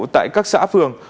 tại các xã phường